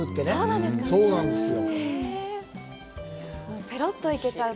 そうなんですよ。